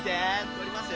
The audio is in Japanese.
撮りますよ！